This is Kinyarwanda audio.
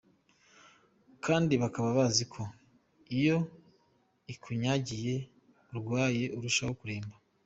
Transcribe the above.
Kandi bakaba bazi ko iyo ikunyagiye urwaye urushaho kuremba, .